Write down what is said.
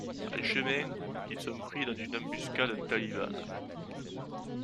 En chemin, ils sont pris dans une embuscade talibane.